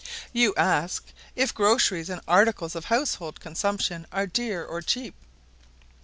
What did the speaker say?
You ask, "If groceries and articles of household consumption are dear or cheap?"